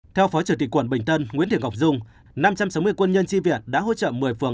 theo phó chủ tịch quận bình tân nguyễn thị ngọc dung năm trăm sáu mươi quân nhân tri viện đã hỗ trợ một mươi phường